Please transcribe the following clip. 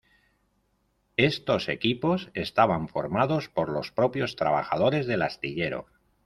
Estos equipos estaban formados por los propios trabajadores del astillero.